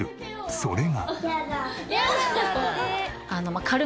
それが。